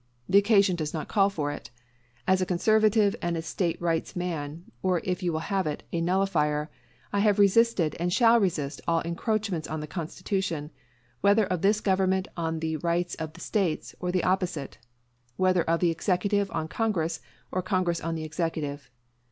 The occasion does not call for it. As a conservative and a State Rights man, or if you will have it, a nullifier, I have resisted and shall resist all encroachments on the Constitution whether of this Government on the rights of the States, or the opposite: whether of the Executive on Congress, or Congress on the Executive.